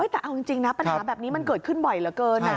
แต่เอาจริงนะปัญหาแบบนี้มันเกิดขึ้นบ่อยเหลือเกิน